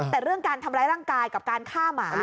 แต่เรื่องการทำร้ายร่างกายกับการฆ่าหมา